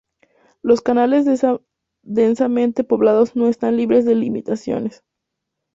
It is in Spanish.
Los canales densamente poblados no están libres de limitaciones.